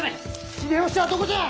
・秀吉はどこじゃ！